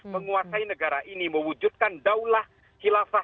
menguasai negara ini mewujudkan daulah khilafah